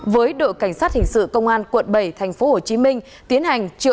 với đội cảnh sát hình sự công an quận bảy tp hồ chí minh